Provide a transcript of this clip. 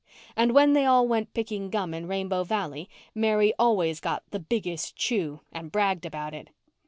And when they all went picking gum in Rainbow Valley Mary always got "the biggest chew" and bragged about it.